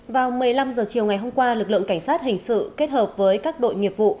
vào một mươi năm h chiều ngày hôm qua lực lượng cảnh sát hình sự kết hợp với các đội nghiệp vụ